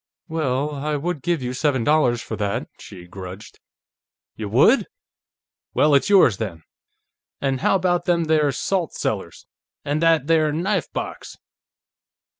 "Well ... I would give you seven dollars for that," she grudged. "Y'would? Well, it's yours, then. An' how about them there salt cellars, an' that there knife box?"